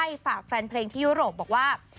ฝากแฟนเพลงที่ยุโรปบอกว่า